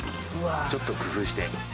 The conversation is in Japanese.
ちょっと工夫して。